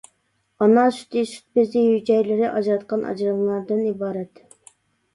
ئانا سۈتى سۈت بېزى ھۈجەيرىلىرى ئاجراتقان ئاجرالمىلاردىن ئىبارەت.